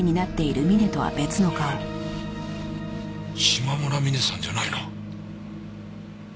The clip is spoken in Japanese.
島村ミネさんじゃないな。